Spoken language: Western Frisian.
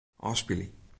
Ofspylje.